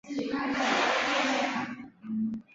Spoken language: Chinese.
婺源凤仙花为凤仙花科凤仙花属下的一个种。